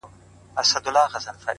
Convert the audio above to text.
هغه د تسنیم صاحب د ټولي شاعري